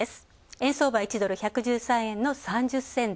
円相場１ドル＝１１３円の３０銭台。